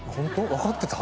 分かってた？